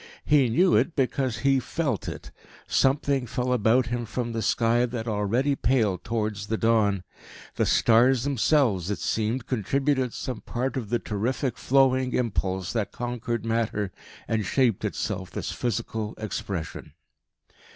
He knew it, because he felt it. Something fell about him from the sky that already paled towards the dawn. The stars themselves, it seemed, contributed some part of the terrific, flowing impulse that conquered matter and shaped itself this physical expression.